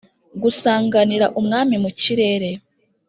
gusanganira Umwami mu kirere